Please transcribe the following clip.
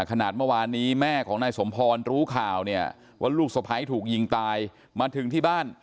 ถนัดเมื่อวานนี้แม่ของนายสมพรรณ์รู้ข่าวเนี้ยว่าลูกสมภัยถูกยิงตายมาถึงที่บ้าน